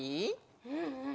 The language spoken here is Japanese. うんうん。